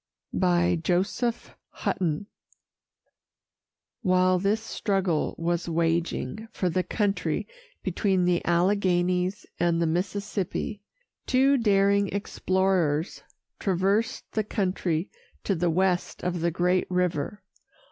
JOSEPH HUTTON. While this struggle was waging for the country between the Alleghanies and the Mississippi, two daring explorers traversed the country to the west of the great river.